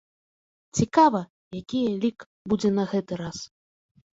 Цікава, якія лік будзе на гэты раз.